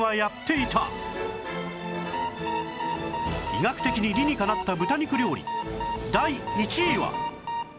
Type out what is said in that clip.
医学的に理にかなった豚肉料理第１位は